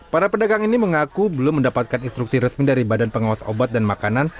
para pedagang ini mengaku belum mendapatkan instruksi resmi dari badan pengawas obat dan makanan